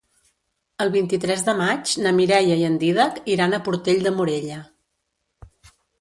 El vint-i-tres de maig na Mireia i en Dídac iran a Portell de Morella.